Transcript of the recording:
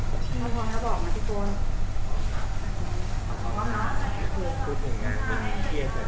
คุณมารพองต้องเธอบอกมาที่ตรง